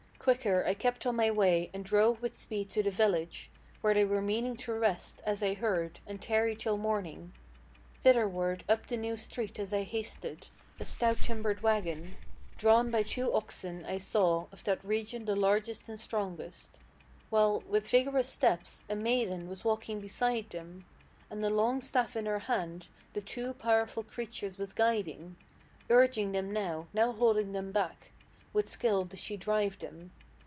Quicker I kept on my way, and drove with speed to the village, Where they were meaning to rest, as I heard, and tarry till morning. Thitherward up the new street as I hasted, a stout timbered wagon, Drawn by two oxen, I saw, of that region the largest and strongest; While, with vigorous steps, a maiden was walking beside them, And, a long staff in her hand, the two powerful creatures was guiding, Urging them now, now holding them back; with skill did she drive them.